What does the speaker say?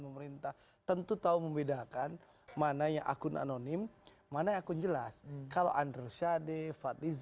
pemerintah tentu tahu membedakan mananya akun anonim mana akun jelas kalau androsyadev artis